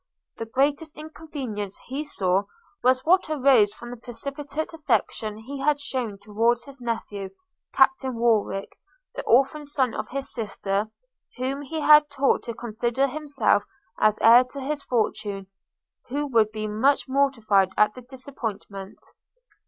The greatest inconvenience he foresaw, was what arose from the precipitate affection he had shewn towards his nephew, Captain Warwick, the orphan son of his sister, whom he had taught to consider himself as heir to his fortune, who would be much mortified at the disappointment.